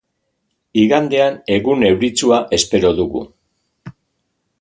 Igandean egun euritsua espero dugu.